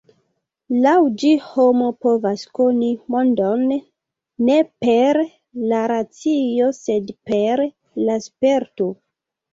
Laŭ ĝi homo povas koni mondon ne per la racio sed per la sperto.